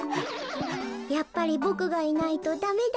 「やっぱりボクがいないとダメだよね」